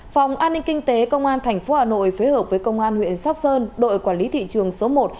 phòng an ninh kinh tế công an tp hà nội phối hợp với công an huyện sóc sơn đội quản lý thị trường số một